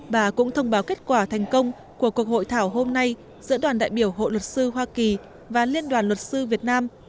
bà cũng thông báo kết quả thành công của cuộc hội thảo hôm nay giữa đoàn đại biểu hội luật sư hoa kỳ và liên đoàn luật sư việt nam